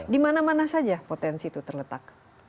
di mana mana saja potensi itu terletak